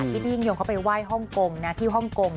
ที่พี่อิงโยงเขาไปไหว้ห้องกงที่ห้องกง